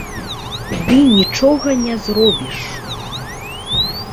Ды нічога не зробіш.